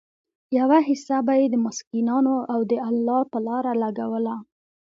يوه حيصه به ئي د مسکينانو او د الله په لاره لګوله